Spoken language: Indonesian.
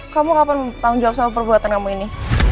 kamu ngapain menanggung jawab soal perbuatan kamu ini